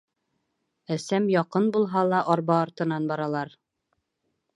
Әсәм яҡын булһа ла, арба артынан баралар